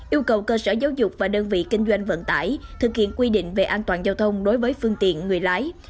yêu cầu cơ sở giáo dục và đơn vị kinh doanh vận tải thực hiện quy định về an toàn giao thông đối với phương tiện người lái